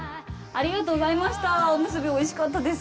ありがとうございます。